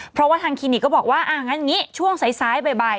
เพราะว่าทางคลินิกก็บอกว่าอ่างั้นอย่างนี้ช่วงสายบ่าย